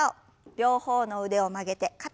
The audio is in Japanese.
両方の腕を曲げて肩の横に。